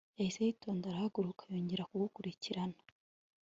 yahise yitonda arahaguruka yongera gukurikirana